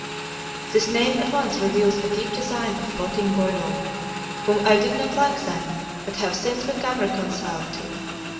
"This name at once reveals a deep design of flouting Boileau, whom I did not like then, but have since become reconciled to.